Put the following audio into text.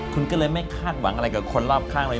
คุณก็เลยไม่คาดหวังอะไรกับคนรอบข้างเลย